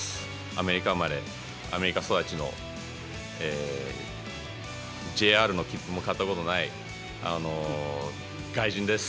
アメリカ生まれ、アメリカ育ちの、ＪＲの切符も買ったことない外人です。